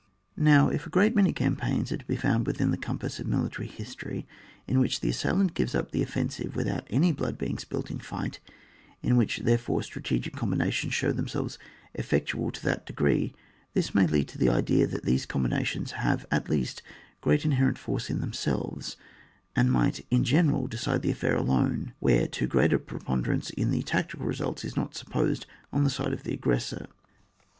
Now if a great many campaigns are to be found within the compass of military history in which the assailant gives up the offensive without any blood being spQt in fight, in which, ^erefore, stra tegic combinations show themselves effec tual to that degree, this may lead to the idea that these combinations have at least great inherent force in themselves, and might in general decide the affair alone, where too gpreat a preponderance in the tactical results is not supposed on the side of the aggressor.